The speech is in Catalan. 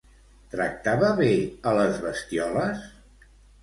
Tractava bé a les bestioles?